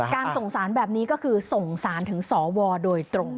การส่งสารแบบนี้ก็คือส่งสารถึงสวโดยตรง